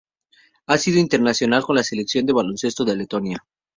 Ha sido internacional con la Selección de baloncesto de Letonia.